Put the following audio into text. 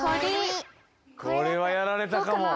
これはやられたかも。